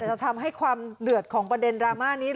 จะทำให้ความเดือดของประเด็นดราม่านี้